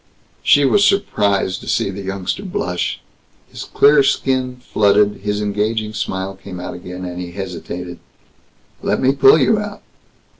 She was surprised to see the youngster blush. His clear skin flooded. His engaging smile came again, and he hesitated, "Let me pull you out."